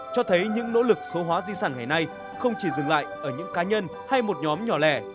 cho thấy những nỗ lực số hóa di sản ngày nay không chỉ dừng lại ở những cá nhân hay một nhóm nhỏ lẻ